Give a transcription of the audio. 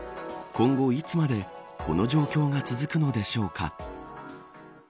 今後いつまでこの状況が続くのでしょうか。